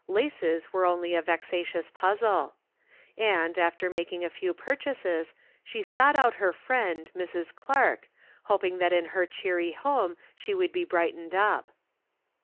Laces were only a vexatious puzzle. And, after mak ing a few purchases, she sought out her friend, Mrs. Clarke, hoping that in her cheery home she would get brightened up.